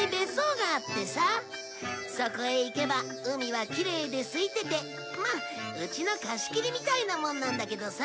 そこへ行けば海はきれいですいててまあうちの貸し切りみたいなもんなんだけどさ。